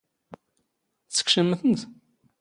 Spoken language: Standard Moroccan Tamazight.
ⵜⵙⴽⵛⵎⵎ ⵜⵏⵜ?